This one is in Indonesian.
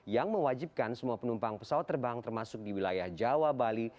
yang mewajibkan semua penumpang pesawat terbang termasuk di wilayah jawa bali